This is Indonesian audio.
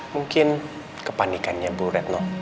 mungkin kepanikannya bu retno